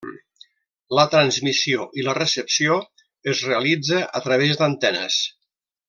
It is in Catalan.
La transmissió i la recepció es realitza a través d'antenes.